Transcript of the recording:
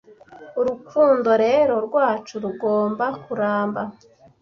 urukundo rero rwacu rugomba kuramba